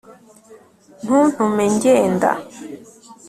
ntuntume ngenda